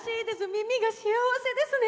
耳が幸せですね。